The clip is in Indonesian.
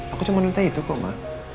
aku cuma minta itu kok mbak